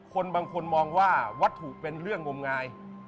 คนบางคนมองว่าวัตถุเป็นเรื่องงมงาย